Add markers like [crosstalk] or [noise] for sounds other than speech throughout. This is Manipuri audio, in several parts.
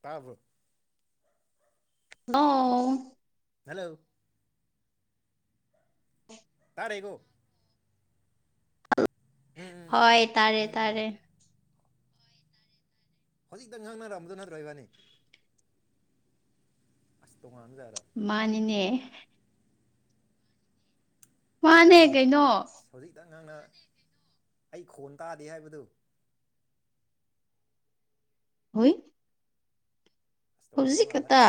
ꯇꯥꯕ꯭ꯔꯣ ꯅꯣ ꯍꯜꯂꯣ ꯇꯥꯔꯦꯀꯣ ꯎꯝ ꯍꯣꯏ ꯎꯝ ꯇꯥꯔꯦ ꯎꯝ ꯍꯣꯏ ꯇꯥꯔꯦ ꯇꯥꯔꯦ ꯇꯥꯔꯦ ꯍꯧꯖꯤꯛꯇ ꯉꯥꯡꯅꯔꯝꯕꯗꯨ ꯅꯠꯇ꯭ꯔꯣ ꯏꯕꯥꯅꯤ ꯑꯁ ꯇꯣꯉꯥꯟꯖꯥꯔꯥ ꯃꯥꯟꯅꯤꯅꯦ ꯃꯥꯅꯦ ꯅꯠꯇꯦꯅꯤ ꯀꯩꯅꯣ ꯑꯁ ꯍꯧꯖꯤꯛꯇꯉꯥꯡꯅ ꯑꯩ ꯈꯣꯟ ꯇꯥꯗꯦ ꯍꯥꯏꯕꯗꯨ ꯍꯣꯏ ꯑꯁ ꯇꯣꯉꯥꯜꯂ ꯍꯧꯖꯤꯛ ꯃꯥꯜꯂꯦ ꯈꯇꯥ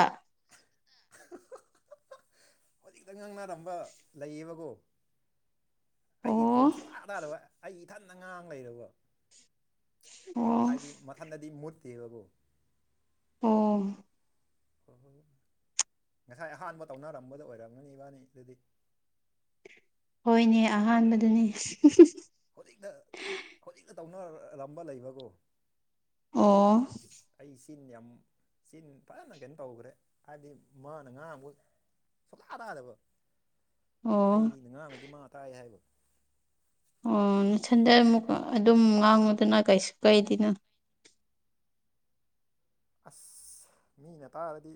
ꯍꯧꯖꯤꯛ ꯈꯛꯇ ꯉꯥꯡꯅꯔꯝꯕ ꯂꯩꯌꯦꯕꯀꯣ ꯑꯩꯒꯤ ꯈꯣꯟ ꯑꯣ ꯁꯨꯡꯂꯥ ꯇꯥꯗꯕ ꯑꯩ ꯏꯊꯟꯗ ꯉꯥꯡ ꯂꯩꯔꯕ ꯑꯣ ꯍꯥꯏꯗꯤ ꯃꯊꯟꯗꯗꯤ ꯃꯨꯠꯇꯦꯕꯕꯨ ꯑꯣ ꯍꯣꯏ ꯍꯣꯏ ꯍꯣꯏ ꯉꯁꯥꯏ ꯑꯍꯥꯟꯕ ꯇꯧꯅꯔꯝꯕꯗꯨ ꯑꯣꯏꯔꯝꯒꯅꯤ ꯏꯕꯥꯅꯤ ꯑꯗꯨꯗꯤ ꯍꯣꯏꯅꯦ ꯑꯍꯥꯟꯕꯗꯨꯅꯤ ꯍꯨꯡ ꯍꯨꯡ ꯍꯧꯖꯤꯛꯇ ꯍꯧꯖꯤꯛꯇ ꯇꯧꯅꯔꯔꯝꯕ ꯂꯩꯕꯀꯣ ꯑꯣ ꯑꯁ ꯑꯩ ꯆꯤꯟ ꯌꯥꯝ ꯆꯤꯟ ꯐꯖꯅ ꯀꯩꯅꯣ ꯇꯧꯒ꯭ꯔꯦ ꯍꯥꯏꯕꯗꯤ ꯃꯥꯅ ꯉꯥꯡꯕꯨ ꯁꯣꯂꯥ ꯇꯥꯗꯕ ꯑꯣ ꯑꯩꯩꯅ ꯉꯥꯡꯕꯗꯤ ꯃꯥ ꯇꯥꯏ ꯍꯥꯏꯕ ꯑꯣ ꯅꯊꯟꯗ ꯑꯃꯨꯛ ꯑꯗꯨꯝ ꯉꯥꯡꯉꯨꯗꯅ ꯀꯩꯁꯨ ꯀꯩꯗꯅꯣ ꯑꯁ ꯃꯤꯅ ꯇꯥꯔꯗꯤ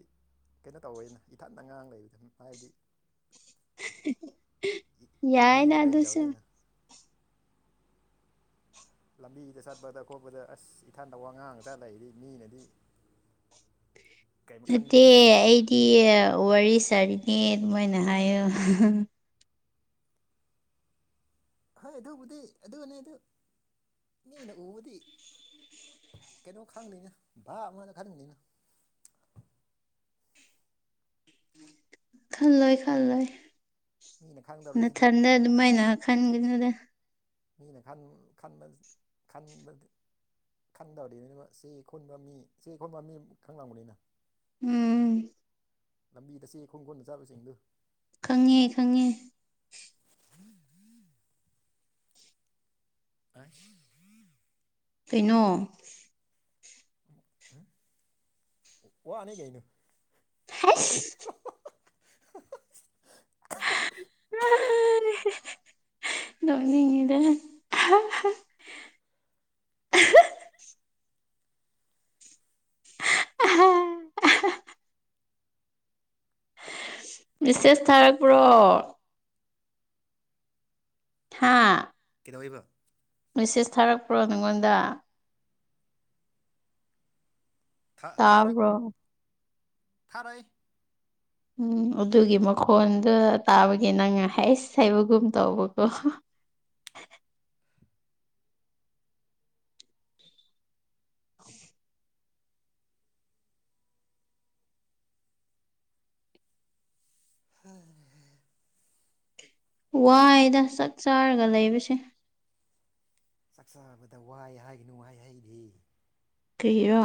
ꯀꯩꯅꯣ ꯇꯧꯕꯩꯅ ꯏꯊꯠꯗ ꯑ ꯉꯥꯡ ꯂꯩꯕꯗ ꯍꯥꯏꯗꯤ ꯃꯤ ꯌꯥꯏꯗ ꯂꯩ ꯑꯗꯨꯁꯨ ꯂꯧꯧꯗꯅ ꯂꯝꯕꯤꯗ ꯆꯠꯄꯗ ꯈꯣꯠꯄꯗ ꯑꯁ ꯏꯊꯥꯟꯗ ꯋꯥ ꯑ ꯉꯥꯡꯆꯥ ꯂꯩꯗꯤ ꯃꯤꯅꯗꯤ ꯀꯩꯝ ꯈꯟꯕꯤꯒꯅꯤꯅꯪꯒ ꯀꯤ ꯋꯥꯔꯤ ꯁꯥꯔꯤꯅꯦ ꯑꯗꯨꯃꯥꯏꯅ ꯍꯥꯏꯌꯨ ꯍꯣꯏ ꯑꯗꯨꯕꯨꯗꯤ ꯑꯗꯨꯅꯦ ꯑꯗꯨ ꯅ ꯑꯩꯅ ꯎꯕꯨꯗꯤ ꯀꯩꯅꯣ ꯈꯪꯗꯦꯅꯦ ꯚꯥ ꯑꯃꯗ ꯈꯪꯗꯤꯅ ꯈꯜꯂꯣꯏ ꯈꯜꯂꯣꯏ ꯃꯤꯅ ꯈꯪꯗꯧꯔꯤꯁꯤꯗꯤ ꯅꯊꯟꯗ ꯑꯗꯨꯃꯥꯏꯅ ꯈꯟꯒꯅꯤꯗ ꯃꯤꯅ ꯈꯟꯕ ꯈꯟꯕ ꯈꯪꯗꯕꯗꯤꯅꯤꯅ ꯆꯦ ꯈꯨꯟꯕ ꯃꯤ ꯆꯦ ꯈꯨꯟꯕ ꯃꯤ ꯈꯪꯂꯝꯕꯅꯤꯅ ꯎꯝ ꯂꯝꯕꯤꯗ ꯆꯦ ꯈꯣꯡꯒꯣꯟꯜꯗ ꯆꯥꯕꯁꯤꯡꯗꯨ ꯈꯪꯉꯦ ꯈꯪꯉꯦ ꯑ ꯀꯩꯅꯣ ꯑꯣꯅꯤ ꯀꯏꯅ ꯍꯁ ꯎ ꯅꯅꯤꯗ ꯑ ꯕꯤꯁꯦꯁ ꯊꯥꯔꯛꯄ꯭ꯔꯣ ꯊꯥ ꯀꯩꯗꯧꯕ ꯃꯦꯁꯦꯁ ꯊꯥꯔꯛꯄ꯭ꯔꯣ ꯅꯪꯉꯣꯟꯗ ꯊꯥꯔꯛ ꯇꯥꯕ꯭ꯔꯣ ꯊꯥꯔꯛ ꯎꯝ ꯑꯗꯨꯒꯤ ꯃꯈꯣꯟꯗ ꯇꯥꯕꯒꯤ ꯅꯪ ꯍꯁ ꯍꯩꯕꯒꯨꯝ ꯇꯧꯕꯀꯣ ꯍ ꯋꯥꯏꯗ ꯆꯥꯛ ꯆꯥꯔꯒ ꯂꯩꯕꯁꯦ ꯆꯥꯛꯆꯥꯕꯗ ꯋꯥꯏ ꯍꯥꯏꯒꯅꯨ ꯋꯥꯏ ꯍꯩꯔꯤ ꯀ꯭ꯔꯤꯌꯣ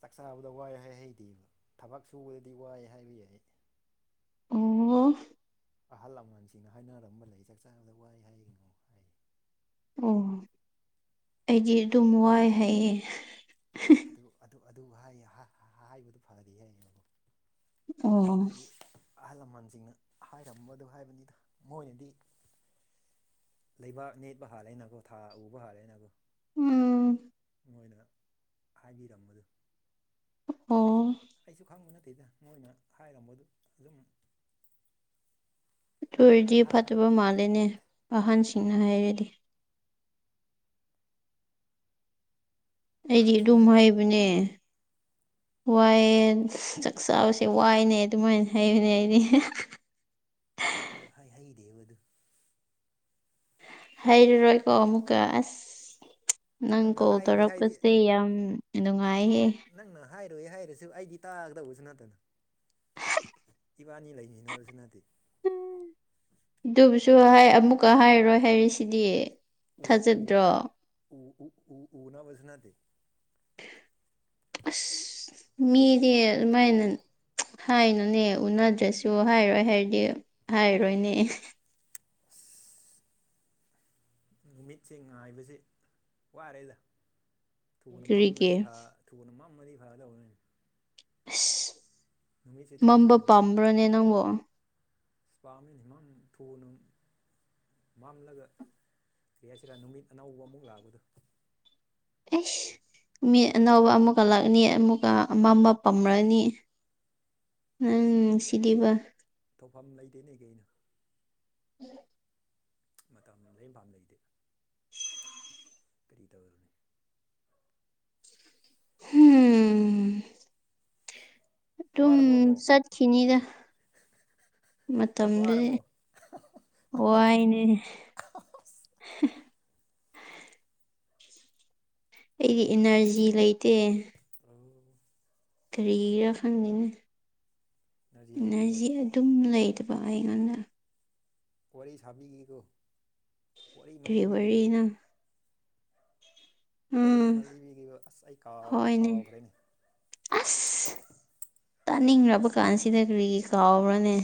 ꯆꯥꯛ ꯆꯆꯥꯕꯗ ꯋꯥꯏ ꯍꯥꯏ ꯍꯩꯇꯦꯕ ꯊꯕꯛ ꯁꯨꯕꯗꯗꯤ ꯋꯥꯏ ꯍꯥꯏꯕ ꯌꯥꯏ ꯑꯣ ꯑꯍꯜ ꯂꯃꯟꯁꯤꯡꯅ ꯍꯥꯏꯅꯔꯝꯕ ꯂꯩ ꯆꯥꯛ ꯆꯥꯕꯗ ꯋꯥꯏ ꯍꯥꯏꯒꯅꯣ ꯍꯥꯏ ꯑꯣ ꯑꯩꯗꯤ ꯑꯗꯨꯝ ꯋꯥꯏ ꯍꯥꯏꯌꯦ ꯑꯗꯨ ꯍꯥꯏ ꯍꯥꯏꯕꯗꯨ ꯐꯗꯤ ꯍꯥꯏꯌꯦꯕꯨ ꯑꯣ ꯍꯥꯏꯗꯤ ꯑꯍꯜ ꯂꯃꯟꯁꯤꯡꯅ ꯍꯥꯏꯔꯝꯕꯗ ꯍꯥꯏꯕꯅꯤꯗ ꯃꯣꯏꯅꯗꯤ ꯂꯩꯕꯥꯛ ꯅꯦꯠꯄ ꯍꯥꯜꯂꯦꯅꯀꯣ ꯊꯥ ꯎꯕ ꯍꯥꯜꯂꯦꯅꯀꯣ ꯎꯝ ꯃꯣꯏꯅ ꯍꯥꯏꯕꯤꯔꯝꯕꯗꯨ ꯑꯩꯁꯦ ꯑꯣ ꯑꯩꯁꯨ ꯈꯪꯕ ꯅꯠꯇꯦꯗ ꯃꯣꯏꯅ ꯍꯥꯏꯔꯝꯕꯗꯨ ꯑꯗꯨꯝ ꯇ ꯍꯥꯏ ꯑꯣꯏꯔꯗꯤ ꯍꯥꯏ ꯐꯠꯇꯕ ꯃꯥꯜꯂꯦꯅꯦ ꯑꯍꯟꯁꯤꯡꯅ ꯍꯥꯏꯔꯗꯤ ꯑꯩꯗꯤ ꯑꯍꯟꯁꯤꯡꯅ ꯑꯗꯨꯝ ꯍꯥꯏꯩꯕꯅꯦ ꯋꯥꯏ ꯆꯥꯛ ꯆꯥꯕꯁꯦ ꯋꯥꯏꯅꯦ ꯑꯗꯨꯃꯥꯏꯅ ꯍꯩꯕꯅꯦ ꯑꯩꯗꯤ ꯑꯁ ꯑꯗꯨ ꯍꯥꯏ ꯍꯩꯔꯦꯕ ꯑꯗꯨ ꯍꯥꯏꯩꯔꯔꯣꯏꯀꯣ ꯑꯃꯨꯀꯥꯁ ꯅꯪ ꯅꯪꯅ ꯀꯣꯜ ꯍꯥꯏꯔꯣꯏ ꯍꯥꯏꯗꯤ ꯇꯧꯔꯛꯄꯁꯦ ꯌꯥꯝ ꯅꯨꯡꯉꯥꯏꯍꯦ ꯅꯪꯅ ꯍꯥꯏꯔꯣꯏ ꯍꯥꯏꯔꯁꯨ ꯑꯩꯗꯤ ꯇꯥꯒꯗꯧꯕꯁꯨ ꯅꯠꯇꯅ ꯏꯕꯥꯅꯤ ꯂꯩꯅꯤ ꯍꯥꯏꯅꯕꯕꯁꯤꯅꯗꯤꯦ ꯑꯗꯨꯕꯨꯁꯨ ꯍꯥꯏ ꯑꯃꯨꯛꯀ ꯍꯥꯏꯔꯔꯣꯏ ꯍꯥꯏꯔꯤꯁꯤꯗꯤ ꯎ ꯎ ꯊꯥꯖꯗ꯭ꯔꯣ ꯎ ꯎ ꯑꯣꯅꯕ ꯁꯅꯥꯗ ꯑꯁ ꯃꯗꯤꯃꯥꯏꯅꯟ ꯍꯥꯏꯅꯨꯅꯦ ꯎꯅꯗ꯭ꯔꯁꯨ ꯍꯥꯏꯔꯣꯏ ꯍꯥꯏꯔꯗꯤ ꯍꯥꯏꯔꯣꯏꯅꯦ ꯑꯁ ꯅꯨꯃꯤꯠꯁꯦ ꯉꯥꯏꯕꯕꯁꯤꯦ ꯋꯥꯔꯦꯗ ꯊꯨꯅ ꯃꯝꯃꯉꯗꯤ ꯀꯔꯤꯒꯤ ꯈꯔ ꯊꯨꯅ ꯃꯥꯡꯅꯗꯤ ꯐꯔꯒꯗꯧꯔꯅꯤ ꯑꯁ ꯅꯨꯃꯤꯠꯁꯦ ꯊꯨ ꯃꯝꯕ ꯊꯨꯅ ꯄꯥꯝꯕ꯭ꯔꯅꯦ ꯅꯪꯕꯨꯣ ꯁ꯭ꯃꯤꯍꯤꯃꯝ ꯊꯨꯅꯨꯨꯝ ꯃꯝꯂꯒ ꯀꯔꯤ ꯍꯥꯏꯁꯤꯔꯥ ꯅꯨꯃꯤꯠ ꯑꯅꯧꯕ ꯑꯃꯨꯛ ꯂꯥꯛꯕꯗꯣ ꯑꯩꯁ ꯃꯤ ꯑꯅꯧꯕ ꯑꯃꯨꯛꯀ ꯂꯥꯛꯅꯤ ꯑꯃꯨꯛꯀ ꯑꯃꯝꯕ ꯄꯝꯔꯅꯤ ꯅꯪ ꯅꯨꯡꯁꯤꯗꯤꯕ ꯇꯧꯐꯝ ꯂꯩꯇꯦ ꯂꯩ ꯀꯩꯅ ꯃꯇꯝ ꯂ ꯄꯥꯝ ꯂꯩꯇꯦ ꯀꯔꯤ ꯇꯧꯔꯨꯅꯤ ꯎꯝ ꯑꯗꯨꯝ ꯋꯥꯔꯕꯣ ꯑꯃꯨꯛ ꯆꯠꯈꯤꯅꯤꯗ ꯎꯝ ꯃꯇꯝꯗꯨ ꯋꯥꯔꯕꯣ ꯋꯥꯏꯅꯦ [unintelligible] ꯑꯩꯒꯤ ꯏꯅꯔꯖꯤ ꯂꯩꯇꯦ ꯑ ꯀꯔꯤꯔꯥ ꯏꯅꯔꯖꯤ ꯈꯪꯗꯦꯅ ꯂꯩꯇꯦꯕ ꯏꯁꯤ ꯑꯗꯨꯝ ꯂꯩꯗꯕ ꯑꯩꯉꯣꯟꯗ ꯋꯥꯔꯤ ꯁꯥꯕꯤꯈꯤꯒꯣ ꯋꯥꯔꯤ ꯀꯔꯤ ꯃꯜꯂꯤꯕꯤꯈꯤꯒꯦ ꯋꯥꯔꯤꯅꯣ ꯋꯥꯔꯤ ꯎꯝ ꯃꯂꯤꯕꯤꯈꯤꯕ ꯑꯁ ꯑꯩ ꯀꯥꯎ ꯍꯣꯏꯅꯦ ꯀꯥꯎꯈ꯭ꯔꯦꯅꯦ ꯑꯁ ꯇꯥꯅꯤꯡꯕ ꯀꯥꯟꯁꯤꯗ ꯀꯔꯤ ꯀꯥꯎꯕ꯭ꯔꯅꯦ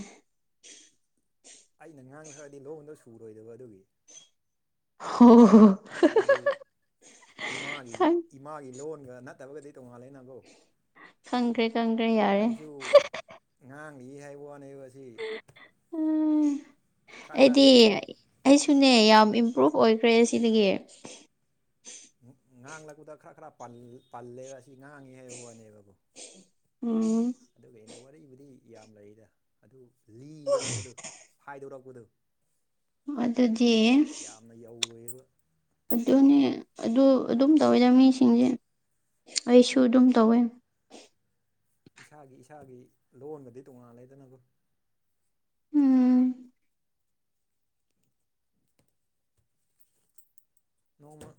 ꯑꯩꯅ ꯉꯥꯡꯈ꯭ꯔꯗꯤ ꯂꯣꯟꯗꯣ ꯁꯨꯔꯣꯏꯗꯕ ꯑꯗꯨꯒꯤ ꯍ ꯍ ꯍꯥꯏꯕꯗꯤ ꯏꯃꯥꯒꯤ ꯈꯪ ꯏꯃꯥꯒꯤ ꯂꯣꯟꯒ ꯅꯠꯇꯕꯒꯗꯤ ꯇꯣꯉꯥꯜꯂꯦ ꯅꯪꯀꯣ ꯁꯪꯒ꯭ꯔꯦ ꯑꯩꯁꯨ ꯉꯥꯡꯂꯤ ꯍꯥꯏꯕ ꯋꯥꯅꯦ ꯑꯁꯤ ꯎꯝ ꯈꯔ ꯑꯩꯗꯤ ꯈꯔꯗꯤ ꯑꯩꯁꯨꯅꯦ ꯌꯥꯝ ꯏꯝꯄ꯭ꯔꯨꯚ ꯑꯣꯏꯈ꯭ꯔꯦ ꯁꯤꯗꯒꯤ ꯉꯥꯡꯂꯛꯄꯗ ꯈꯔ ꯈꯔ ꯄꯜꯂꯦꯕ ꯑꯁꯤ ꯉꯥꯡꯉꯤ ꯍꯥꯏꯕ ꯋꯥꯅꯦꯕꯀꯣ ꯎꯝ ꯑꯗꯨꯒ ꯑꯩꯅ ꯋꯥꯔꯤꯕꯨꯗꯤ ꯌꯥꯝ ꯂꯩꯔꯤꯗ ꯑꯗꯨ ꯂꯤꯗꯣꯔꯛꯄꯗꯨ ꯐꯥꯏꯗꯣꯔꯛꯄꯗꯨ ꯑꯗꯨꯗꯤ ꯌꯥꯝꯅ ꯌꯧꯔꯣꯏꯕ ꯑꯗꯨꯅꯦ ꯑꯗꯨ ꯑꯗꯨꯝ ꯇꯧꯋꯦꯗ ꯃꯤꯁꯤꯡꯁꯦ ꯑꯩꯁꯨ ꯑꯗꯨꯝ ꯇꯧꯋꯦ ꯏꯁꯥꯒꯤ ꯏꯁꯥꯒꯤ ꯂꯣꯟꯒꯗꯤ ꯇꯣꯉꯥꯟꯂꯗꯅꯕꯨ ꯎꯝ ꯅꯣꯡꯃ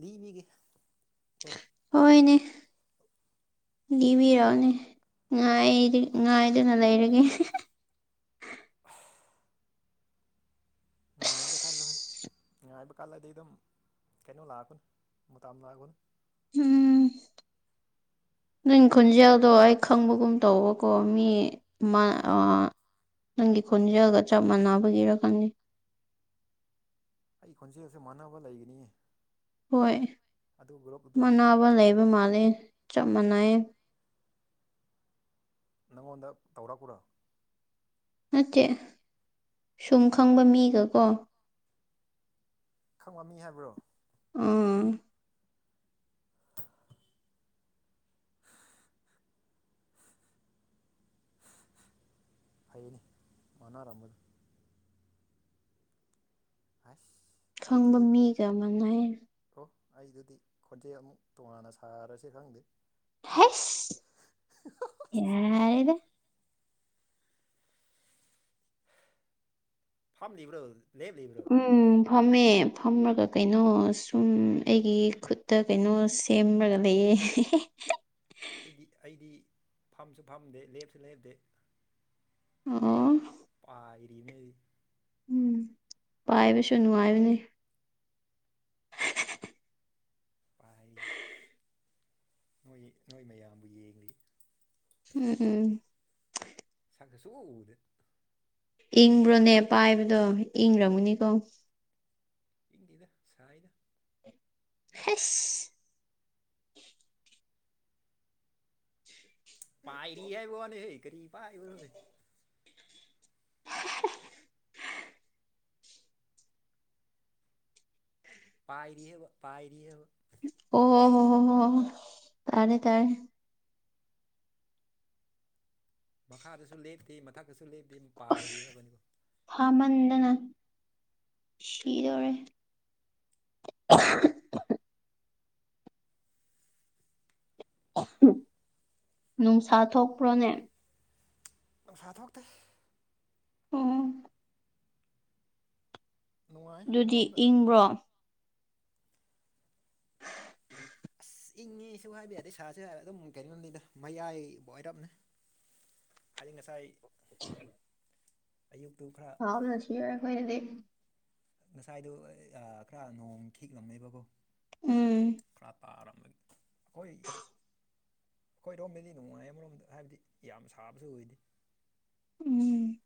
ꯂꯤꯅꯤꯒꯦ ꯀꯣ ꯍꯣꯏ-ꯅꯦ꯫ ꯂꯤꯕꯤꯔꯣꯅꯦ ꯉꯥꯏꯔꯤ ꯉꯥꯏꯗꯨꯅ ꯂꯩꯔꯒꯦ꯫ [inaudible] ꯉꯥꯏꯕꯗ ꯀꯥꯟꯗꯣꯏ ꯑꯁ ꯉꯥꯏꯕ ꯀꯥꯟꯂ ꯑꯗꯤꯩ ꯑꯗꯨꯝ ꯀꯩꯅꯣ ꯂꯥꯛꯑꯒꯅ ꯃꯨꯥꯝ ꯂꯥꯛꯑꯒꯅ ꯎꯝ ꯅꯪ ꯈꯣꯟꯖꯦꯜꯗꯣ ꯑꯩ ꯈꯪꯕꯒꯨꯝ ꯇꯧꯕꯀꯣ ꯃꯤ- ꯃꯥꯅ ꯑ ꯅꯪꯒꯤ ꯈꯣꯟꯖꯦꯜꯒ ꯆꯞ ꯃꯥꯟꯅꯕꯒꯤꫪꯥ ꯈꯪꯗꯦ꯫ ꯑꯩ ꯈꯣꯟꯖꯦꯜꯁꯦ ꯃꯥꯟꯅꯕ ꯂꯩꯒꯅꯤꯌꯦ꯫ ꯍꯣꯏ ꯑꯗꯨ ꯒ꯭ꯔꯨꯞꯇꯨꯗ ꯃꯅꯥꯕ ꯂꯩꯕ ꯃꯥꯂꯦ ꯆꯞ ꯃꯥꯟꯅꯩ ꯅꯪꯉꯣꯟꯗ ꯇꯧꯔꯛꯎꫪ? ꯅꯠꯇꯦ ꯁꯨꯝ ꯈꯪꯕ ꯃꯤꯒꯀꯣ ꯈꯪꯉꯝꯃꯤ ꯍꯥꯏꯕ꯭ꯔꯣ? ꯎꯝ ꯐꯩꯌꯦꯅꯦ ꯃꯥꯟꯅꯔꯝꯃꯗꯤ꯫ ꯍꯥꯁ ꯈꯪꯕ ꯃꯤꯒ ꯑꯃꯅ ꯑꯣ ꯑꯩꯗꯨꯗꯤ ꯈꯣꯟꯖꯦꯜ ꯑꯃꯨꯛ ꯇꯣꯉꯥꯟꯅ ꯁꯥꯔꯁꯦ ꯈꯪꯗꯦ ꯍꯁ ꯌꯥꯔꯗ ꯐꯝꯂꯤꯕ꯭ꯔꯣ ꯂꯦꯞꯂꯤꯕ꯭ꯔꯣ? ꯎꯝ ꯐꯝꯃꯦ ꯐꯝꫪꯒ ꯀꯩꯅꯣ ꯁꯨꯝ ꯑꯩꯒꯤ ꯈꯨꯠꯇ ꯀꯩꯅꯣ ꯁꯦꯝꫪꯒ ꯂꯩꯌꯦ ꯍꯦꯍꯦ ꯑꯩꯗꯤ ꯑꯩꯗꯤ ꯐꯝꯁꯨ ꯐꯝꯗꯦ ꯂꯦꯞꯁꯨ ꯂꯦꯞꯇꯦ ꯑꯣ ꯑꯥ ꯏꯔꯤꯅꯦ ꯎꯝ ꯄꯥꯏꯕꯁꯨ ꯅꯨꯡꯉꯥꯏꯕꯅꯤ ꯄꯔꯤ ꯅꯣꯏ-ꯅꯣꯏ ꯃꯌꯥꯝꯕꯨ ꯌꯦꯡꯂꯤ꯫ ꯎꯝ-ꯎꯝ꯫ ꯁꯛꯅ ꯁꯨꯛꯎ ꯎꯗꯦ꯫ ꯏꯪꯕ꯭ꯔꯣꯅꯦ ꯄꯥꯏꯕꯗꯣ ꯏꯪꫪꯝꯒꯅꯤꯀꯣ? ꯏꯪꯗꯦꯗ ꯁꯥꯏꯗ꯫ ꯍ ꯄꯥꯏꯔꯤ ꯍꯥꯏꯕꯋꯥꯅꯦꯍꯦ ꯀꯔꯤ ꯄꯥꯏꯕꯔꯣꯅꯦ ꯄꯥꯏꯔꯤ ꯍꯥꯏꯕ ꯄꯥꯏꯔꯤ ꯍꯥꯏꯕ ꯑꯣ-ꯍꯣ-ꯍꯣ-ꯍꯣ-ꯍꯣ ꯇꯥꯔꯦ-ꯇꯥꯔꯦ꯫ ꯃꯈꯥꯗꯁꯨ ꯂꯦꯞꯇꯦ ꯃꯊꯛꯇꯁꯨ ꯂꯦꯞꯇꯦ ꯄꯥꯏꯔꯤ ꯍꯥꯏꯕꯅꯤꯀꯣ ꯐꯥꯃꯟꯗꯅ ꯁꯤꯗꯣꯔꯦ ꯅꯨꯡꯁꯥ ꯊꯣꯛꯄ꯭ꯔꯣꯅꯦ? ꯑꯁꯥ ꯊꯣꯛꯇꯦ ꯎꯝ ꯅꯨꯡꯉꯥꯏ ꯗꯨꯗꯤ ꯑꯃꯔꯣꯝꯗ ꯏꯪꯕ꯭ꯔꯣ? ꯑꯁ ꯏꯪꯉꯤꯁꯨ ꯍꯥꯏꯕ ꯌꯥꯗꯩ ꯁꯥꯔꯁꯨ ꯍꯥꯏ ꯑꯗꯨꯝ ꯀꯩꯅꯣꯝꯅꯤꯗ ꯃꯌꯥꯏꯕꯨ ꯑꯣꯏꯔꯞꯅꯦ ꯍꯥꯏꯗꯤ ꯉꯁꯥꯏ- ꯎ ꯑꯌꯨꯛꯇꯨ ꯈꯔꯥ ꯍꯥꯎ ꯉ ꯁꯤ ꯑꯩꯣꯏꯗꯤ ꯉꯁꯥꯏꯗꯨꯣ ꯈꯔ꯭ ꯅꯣꯡ ꯈꯤꯛꯂꯝꯃꯦꯕꯀꯣ꯫ ꯎꯝ ꯈꯔ ꯇꯥꯔꯝꯃꯩ ꯍꯣꯏ ꯈꯣꯏꯔꯣꯝꯃꯤꯗꯤ ꯅꯨꯡꯉꯥꯏꯌꯦ ꯑꯃꯔꯣꯝꯗ ꯍꯥꯏꯕꯗꯤ ꯌꯥꯝ ꯁꯥꯕꯁꯨ ꯑꯣꯏꯗꯦ꯫ ꯎꯝ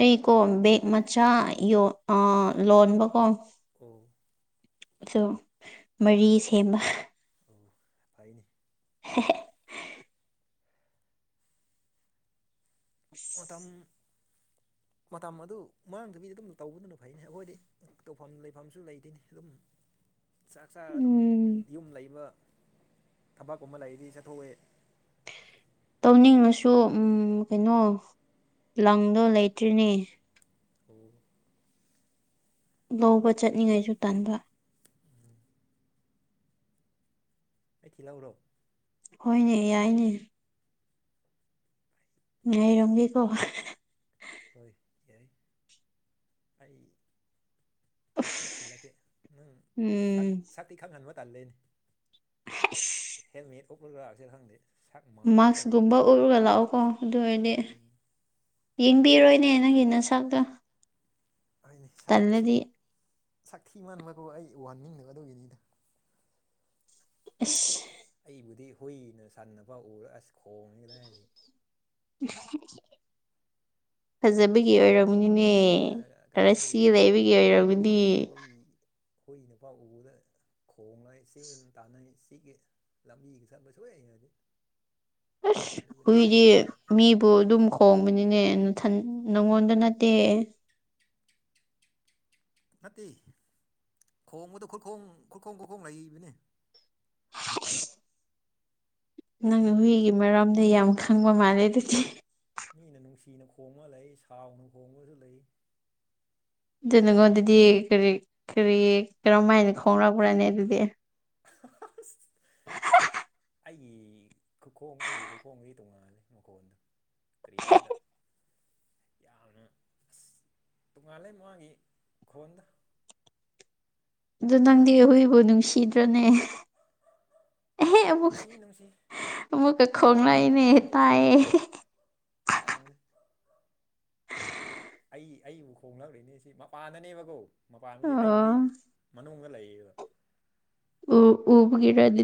ꯑꯩꯀꯣ ꯕꯦꯛ ꯃꯆꯥ ꯌ ꯂꯣꯟꯕꯀꯣ ꯑꯣ ꯑ ꯃꯔꯤ ꯁꯦꯝꯕ ꯑꯣ ꯐꯥꯏꯅꯤ ꯍꯦꯍꯦ ꯃꯇꯝ ꯃꯇꯝ ꯑꯗꯨ ꯃꯥꯡꯗꯕꯤ ꯑꯗꯨꯝ ꯇꯧꯕꯗꯨꯅ ꯐꯩꯅꯤ ꯑꯩꯈꯣꯏꯗꯤ ꯇꯧꯐꯝ ꯂꯩꯐꯝꯁꯨ ꯂꯩꯇꯣꯏꯅꯤ ꯑꯗꯨꯝ ꯆꯥꯛ ꯆꯥ ꯑꯗꯨꯝ ꯎꯝ ꯌꯨꯝ ꯂꯩꯕ ꯊꯕꯛꯀꯨꯝꯕ ꯂꯩꯔꯗꯤ ꯆꯠꯊꯣꯛꯑꯦ ꯇꯧꯅꯤꯡꯉꯁꯨ ꯀꯩꯅꯣ ꯂꯪꯗꯣ ꯂꯩꯇ꯭ꯔꯤꯅꯦ ꯀꯩꯒꯤ ꯂꯧꯕ ꯆꯠꯅꯤꯡꯉꯥꯏꯁꯨ ꯇꯟꯕ ꯑꯩ ꯊꯤꯜꯂꯧꯎꯔꯣ ꯍꯣꯏꯅꯦ ꯌꯥꯏꯅꯦ ꯉꯥꯏꯔꯝꯒꯦꯀꯣ ꯍꯣꯏ ꯌꯥꯏ ꯑꯩꯥ ꯑꯩ ꯊꯤꯜꯂꯀꯦ ꯅꯪ ꯎꯝ ꯁꯛꯇꯤ ꯈꯪꯍꯟꯕ ꯇꯜꯂꯦꯅꯦ ꯍꯁ ꯍꯦꯜꯃꯦꯠ ꯑꯣꯄꯒ꯭ꯔꯥꯁꯦꯔ ꯈꯪꯗꯦ ꯁꯛ ꯃꯥꯛꯁ ꯎꯞꯂꯒ ꯃꯥꯛꯁꯒꯨꯝꯕ ꯎꯞꯔꯒ ꯂꯥꯛꯑꯣꯀꯣ ꯑꯗꯨꯑꯣꯏꯗꯤ ꯎꯝ ꯌꯦꯡꯕꯤꯔꯣꯏꯅꯦ ꯅꯪꯒꯤ ꯅꯁꯥꯛꯇꯣ ꯍꯥꯏꯅꯤ ꯁꯛꯁꯤ ꯁꯛ ꯊꯤ ꯃꯟꯕꯒꯣ ꯑꯩ ꯎꯍꯟꯅꯤꯡꯗꯒꯗꯧꯒꯤꯅꯤꯗ ꯑꯁ ꯑꯩꯕꯨꯗꯤ ꯍꯨꯏꯅ ꯁꯥꯟ ꯄ ꯎꯔ ꯑꯁ ꯈꯣꯡꯉꯦ ꯀꯗꯥꯏ ꯍꯥꯏꯗꯤ ꯐꯖꯕꯤꯒꯤ ꯑꯣꯏꫪꯞ ꯅꯤꯅꯦ ꯍꯦꯔꯥ ꯑꯁꯤ ꯂꯩꯕꯒꯤ ꯑꯣꯏꯔꯕꯗꯤ ꯏ ꯍꯨꯏꯅꯐꯥꯎ ꯎꯕꯗ ꯈꯣꯡꯂꯩꯏ ꯆꯦꯟ ꯇꯥꯟꯅꯩ ꯆꯤꯛꯏ ꯂꯝꯕꯤꯒ ꯆꯠꯄ ꯁꯨꯛꯍꯩ ꯍꯩꯅꯗꯦ ꯑꯁ ꯍꯨꯏꯗꯤ ꯃꯄꯥꯟ ꯃꯤꯕꯨ ꯑꯗꯨꯝ ꯈꯣꯡꯕꯅꯤꯅꯦꯊ ꯅꯪꯉꯣꯟꯗ ꯅꯠꯇꯦ ꯅꯠꯇꯦ ꯈꯣꯡꯕꯗ ꯈꯨꯔꯈꯣꯡ ꯈꯨꯔꯈꯣꯡ ꯈꯨꯔꯈꯣꯡ ꯂꯩꯕꯅꯦ ꯅꯪꯅ ꯃꯤꯕꯨ ꯃꯤꯒꯤ ꯃꯔꯝꯗ ꯌꯥꯝ ꯈꯪꯕ ꯃꯥꯜꯂꯦ ꯑꯗꯨꯗꯤ ꯃꯤꯅ ꯅꯨꯡꯁꯤꯅ ꯈꯣꯡꯉ ꯂꯩ ꯁꯥꯎꯅ ꯈꯣꯡꯉꯁꯨ ꯂꯩ ꯑꯗꯨ ꯅꯪꯉꯣꯟꯗꯗꯤ ꯀꯔꯤ ꯀꯔꯤ ꯀꯔꯝꯃꯥꯏꯅ ꯈꯣꯡꫪꯛꯄ꯭ꯔꯥꯅꯤ ꯑꯗꯨꯗꯤ ꯍ-ꯍ-ꯍꯥꯁ ꯑ ꯑꯩꯒꯤ ꯈꯨꯈꯣꯡ ꯑꯩꯕꯨ ꯈꯨꯈꯣꯡꯗꯤ ꯇꯣꯡꯉꯥꯜꯂꯦ ꯃꯈꯣꯟꯜꯗ ꯀ꯭ꯔꯤꯍꯥꯏꯁꯤꯔ ꯌꯥꯝꯅ ꯑꯁ ꯇꯣꯉꯥꯜꯂꯦ ꯃꯥꯒꯤ ꯈꯣꯟꯗ ꯑꯗꯨꯗ ꯅꯪꯗꯤ ꯑꯩꯈꯣꯏ ꯍꯈꯣꯏꯕꯨ ꯅꯨꯡꯁꯤꯗ꯭ꯔꯅꯦ ꯑꯦꯍꯦ ꯑꯃꯨꯛ ꯅꯨꯡꯁꯤ ꯅꯨꯡꯁꯤ ꯑꯃꯨꯛꯀ ꯈꯣꯡꯂꯛꯑꯦꯅꯦ ꯇꯥꯏꯌꯦ ꯄꯥꯡ ꯑꯩ ꯑꯩ ꯑꯩꯕꯨ ꯈꯣꯡꯂꯛꯂꯤꯅꯦꯁꯤ ꯃꯄꯥꯟꯗꯅꯦꯕꯀꯣ ꯃꯄꯥꯟꯕꯨꯗꯤ ꯑꯣ ꯑꯩꯕꯨꯗꯤ ꯃꯅꯨꯡꯗ ꯂꯩꯌꯦꯕ ꯎ ꯎꯕꯒꯤꯔ ꯑꯗꯨ